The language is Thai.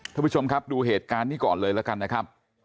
ท่านผู้ชมครับดูเหตุการณ์นี้ก่อนเลยแล้วกันนะครับ